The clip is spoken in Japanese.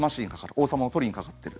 王様を取りにかかってる。